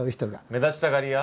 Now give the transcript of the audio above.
目立ちたがり屋？